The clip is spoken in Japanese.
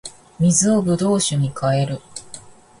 水を葡萄酒に変える